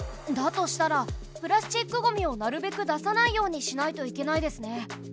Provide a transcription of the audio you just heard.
だとしたらプラスチックゴミをなるべく出さないようにしないといけないですね。